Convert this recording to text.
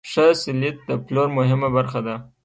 ښه سلیت د پلور مهمه برخه ده.